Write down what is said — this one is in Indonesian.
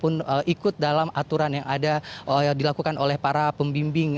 ataupun ikut dalam aturan yang ada yang dilakukan oleh para pembimbing